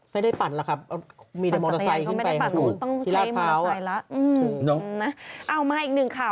ไม่ได้ปั่นต้องใช้เข้า